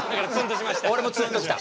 俺もツンとした。